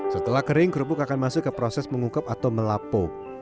setelah kering kerupuk akan masuk ke proses mengungkap atau melapu